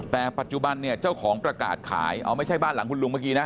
แต่ปัจจุบันเนี่ยเจ้าของประกาศขายเอาไม่ใช่บ้านหลังคุณลุงเมื่อกี้นะ